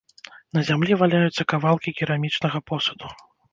На зямлі валяюцца кавалкі керамічнага посуду.